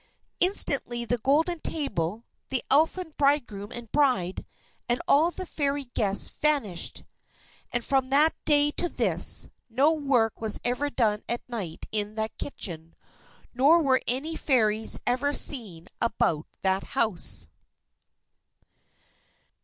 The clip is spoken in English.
Instantly the golden table, the Elfin bridegroom and bride, and all the Fairy guests vanished. And from that day to this, no work was ever done at night in that kitchen, nor were any Fairies ever seen about that house.